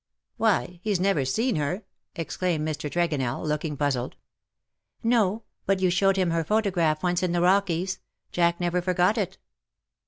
'''^' Why^ he's never seen her/' exclained Mr. Tregonellj looking puzzled. " No ; but you showed him her photograph once in the Bockies. Jack never forgot it."